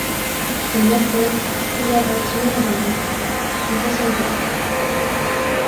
Au Natal, plusieurs bâtiments de l' sont incendiés.